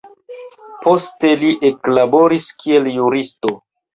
Poste li eklaboris kiel juristo.